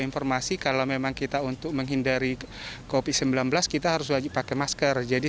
informasi kalau memang kita untuk menghindari kopi sembilan belas kita harus wajib pakai masker jadi